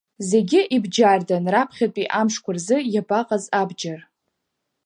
Зегьы ибџьардан, раԥхьатәи амшқәа рзы иабаҟаз абџьар.